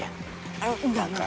enggak enggak enggak